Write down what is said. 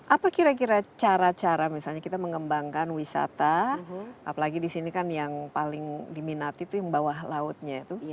apa kira kira cara cara misalnya kita mengembangkan wisata apalagi di sini kan yang paling diminati itu yang bawah lautnya itu